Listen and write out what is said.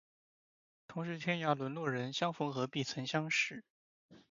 同是天涯沦落人，相逢何必曾相识